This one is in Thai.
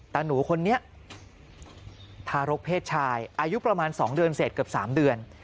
ตาหนูคนนี้ทารกเพศชายอายุประมาณ๒เดือนเสร็จเกือบ๓เดือน